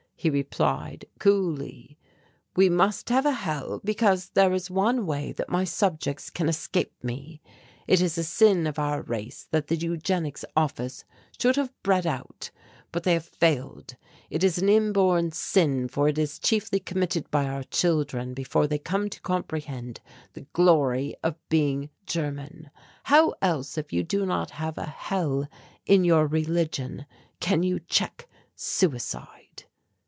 He replied coolly: "'We must have a Hell because there is one way that my subjects can escape me. It is a sin of our race that the Eugenics Office should have bred out but they have failed. It is an inborn sin for it is chiefly committed by our children before they come to comprehend the glory of being German. How else, if you do not have a Hell in your religion, can you check suicide?'